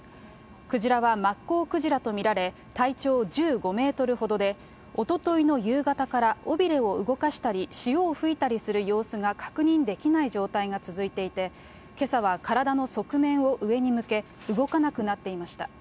クジラはマッコウクジラと見られ、体長１５メートルほどで、おとといの夕方から尾びれを動かしたり、潮を吹いたりする様子が確認できない状態が続いていて、けさは体の側面を上に向け、動かなくなっていました。